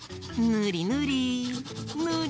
ぬりぬり！